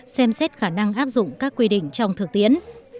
xem xét khả năng áp dụng các quy định trong thực tiễn